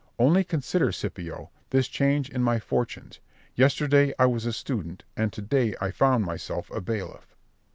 Only consider, Scipio, this change in my fortunes, Yesterday I was a student, and to day I found myself a bailiff.